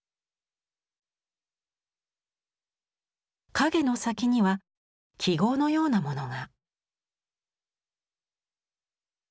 影の先には記号のようなものが。